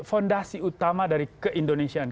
fondasi utama dari keindonesiaan